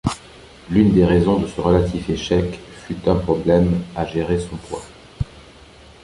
L'une des raisons de ce relatif échec fut un problème à gérer son poids.